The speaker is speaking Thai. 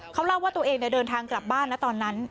เขาเล่าว่าตัวเองเดินทางกลับบ้านนะตอนนั้น